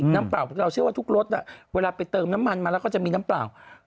เปล่าเราเชื่อว่าทุกรสเวลาไปเติมน้ำมันมาแล้วก็จะมีน้ำเปล่า